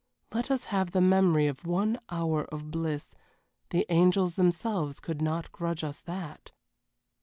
Let us have the memory of one hour of bliss the angels themselves could not grudge us that."